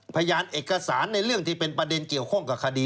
พยานเอกสารในเรื่องที่เป็นประเด็นเกี่ยวข้องกับคดี